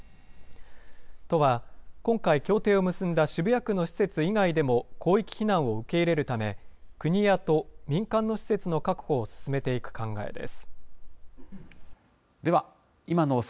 都は、今回、協定を結んだ渋谷区の施設以外でも広域避難を受け入れるため、国や都、民間の施設の確保を進めていく考えです。